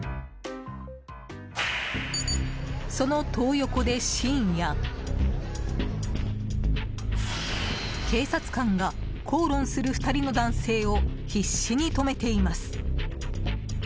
そのトー横で深夜警察官が、口論する２人の男性を必死に止めています。